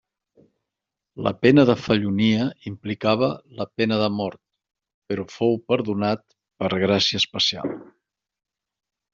La pena de fellonia implicava la pena de mort però fou perdonat per gràcia especial.